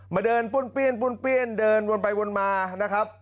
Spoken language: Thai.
มาเดินป้วนเปลี่ยนเดินวนไปวนมา